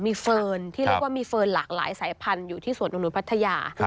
มีเฟิร์นที่เรียกว่ามีเฟิร์นหลากหลายสายพันธุ์อยู่ที่สวนอุทพัทยา